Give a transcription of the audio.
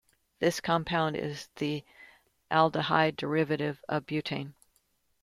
This compound is the aldehyde derivative of butane.